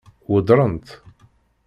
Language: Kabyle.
Weddṛen-tt?